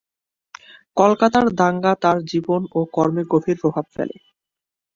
কলকাতার দাঙ্গা তার জীবন ও কর্মে গভীর প্রভাব ফেলে।